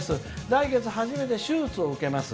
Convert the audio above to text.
来月初めて手術を受けます。